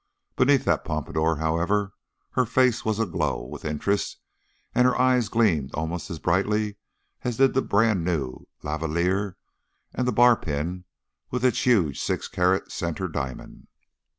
Beneath that pompadour, however, her face was aglow with interest and her eyes gleamed almost as brightly as did the brand new lavalliere and the bar pin with its huge six carat center diamond.